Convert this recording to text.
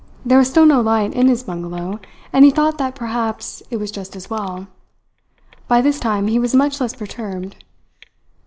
There was still no light in his bungalow, and he thought that perhaps it was just as well. By this time he was much less perturbed.